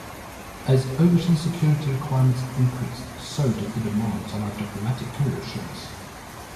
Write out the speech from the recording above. As overseas security requirements increased, so did the demands on our Diplomatic Courier Service.